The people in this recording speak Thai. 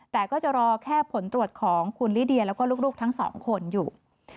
แต่ก็จะรอแค่ผลตรวจของคุณลิเดียแล้วก็ลูกทั้งสองคนอยู่